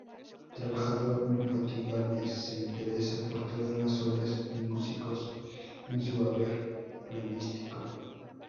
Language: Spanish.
Trabajador infatigable, se interesa por todas las obras y músicos en su haber pianístico.